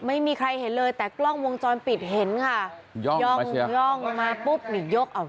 ไม่มีใครเห็นเลยแต่กล้องวงจรปิดเห็นค่ะย่องย่องลงมาปุ๊บนี่ยกเอา